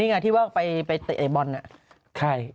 นี่ไงที่ว่าไปเตะบอลน่ะใคร